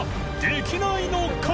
できないのか？